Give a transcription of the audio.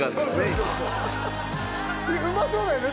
今うまそうだよね